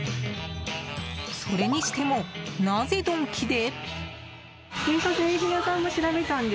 それにしても、なぜドンキで？